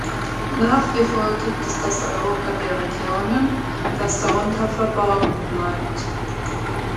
Nach wie vor gibt es das Europa der Regionen, das darunter verborgen bleibt.